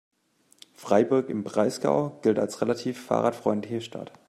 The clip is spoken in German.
Freiburg im Breisgau gilt als relativ fahrradfreundliche Stadt.